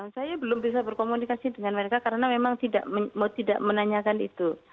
saya belum bisa berkomunikasi dengan mereka karena memang tidak menanyakan itu